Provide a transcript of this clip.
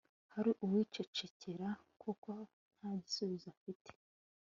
hari uwicecekera kuko nta gisubizo afite